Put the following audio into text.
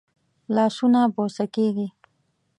لاسونه بوسه کېږي